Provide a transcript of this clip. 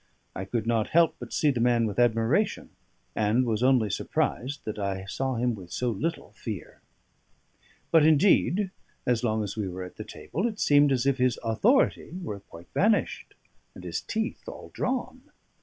I could not help but see the man with admiration, and was only surprised that I saw him with so little fear. But indeed (as long as we were at the table) it seemed as if his authority were quite vanished and his teeth all drawn.